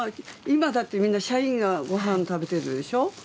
今だってみんな社員がご飯食べてるでしょ。